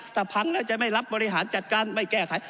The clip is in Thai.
ถ้าพังแล้วจะไม่รับบริหารจัดการไม่แก้ไข